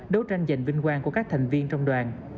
đấu tranh giành vinh quang của các thành viên trong đoàn